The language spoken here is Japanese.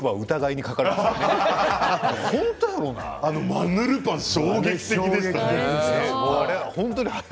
マヌルパン衝撃的でしたよね。